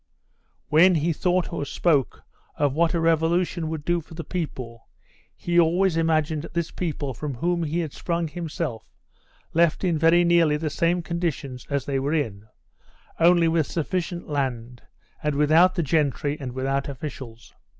When he thought or spoke of what a revolution would do for the people he always imagined this people from whom he had sprung himself left in very nearly the same conditions as they were in, only with sufficient land and without the gentry and without officials.